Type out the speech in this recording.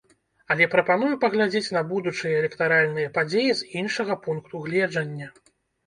Але прапаную паглядзець на будучыя электаральныя падзеі з іншага пункту гледжання.